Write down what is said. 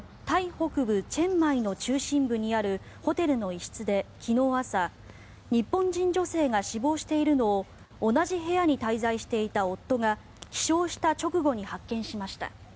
北部チェンマイの中心部にあるホテルの一室で昨日朝日本人女性が死亡しているのを同じ部屋に滞在していた夫が起床した直後に発見しました。